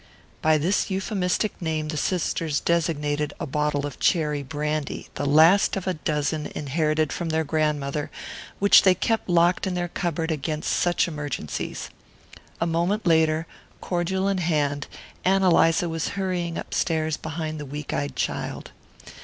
By this euphemistic name the sisters designated a bottle of cherry brandy, the last of a dozen inherited from their grandmother, which they kept locked in their cupboard against such emergencies. A moment later, cordial in hand, Ann Eliza was hurrying upstairs behind the weak eyed child.